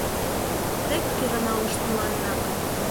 «Тек кöраналышт мыланна.